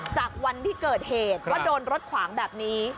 วันที่เกิดเหตุว่าโดนรถขวางแบบนี้